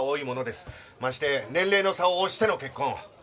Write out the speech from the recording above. まして年齢の差を押しての結婚。